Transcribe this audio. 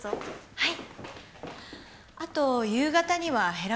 はい。